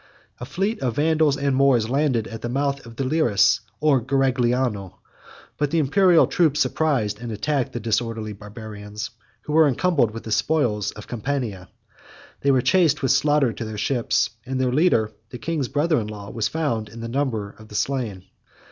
A fleet of Vandals and Moors landed at the mouth of the Liris, or Garigliano; but the Imperial troops surprised and attacked the disorderly Barbarians, who were encumbered with the spoils of Campania; they were chased with slaughter to their ships, and their leader, the king's brother in law, was found in the number of the slain.